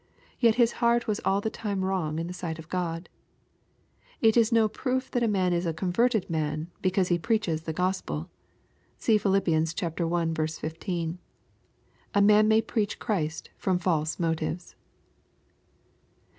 Yet his heart was all the time wrong in the sight of Gk>d. It is no proof that a man is a converted man, because he preaches the Q ospell See Phiiipp. L 15. A man may preach Christ from false motives.